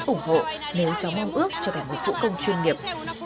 ủng hộ nếu cháu mong ước cho cả một vũ công chuyên nghiệp